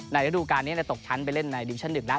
ระดูการนี้ตกชั้นไปเล่นในดิวิชั่น๑แล้ว